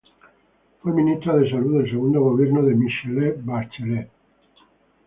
Fue ministra de Salud del segundo gobierno de Michelle Bachelet.